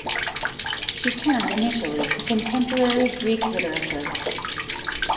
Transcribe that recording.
She turned initially to contemporary Greek literature.